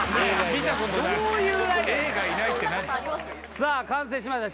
さあ完成しました。